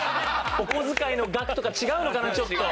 お小遣いの額とか違うのかなちょっと。